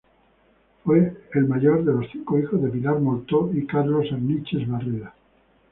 Fue el mayor de los cinco hijos de Pilar Moltó y Carlos Arniches Barreda.